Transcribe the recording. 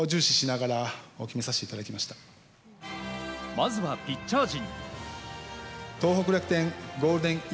まずはピッチャー陣。